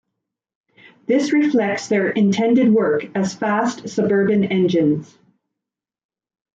This reflects their intended work as fast suburban engines.